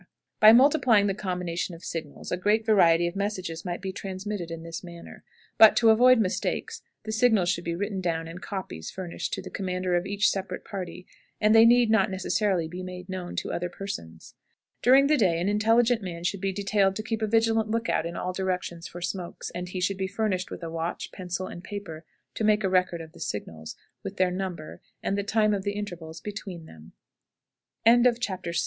By multiplying the combinations of signals a great variety of messages might be transmitted in this manner; but, to avoid mistakes, the signals should be written down and copies furnished the commander of each separate party, and they need not necessarily be made known to other persons. During the day an intelligent man should be detailed to keep a vigilant look out in all directions for smokes, and he should be furnished with a watch, pencil, and paper, to make a record of the signals, with their number, and the time of the intervals between them. CHAPTER VII. Hunting. Its Be